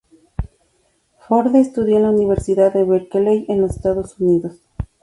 Forde estudió en la Universidad de Berkeley, en los Estados Unidos.